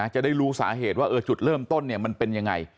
จะได้รู้สาเหตุว่าจุดเริ่มต้นมันเป็นยังไง